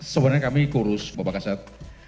sebenarnya kami kurus bapak kasat